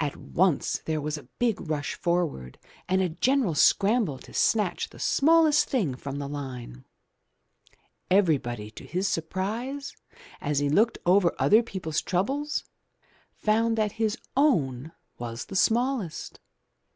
At once there was a big rush forward and a general scramble to snatch the smallest thing from the line. Everybody to his surprise, as he looked over other peoples' troubles, found that his own was the smallest.